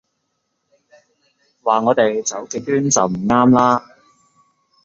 話我哋走極端就唔啱啦